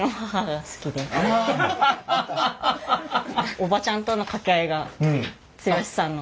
おばちゃんとの掛け合いが剛さんの。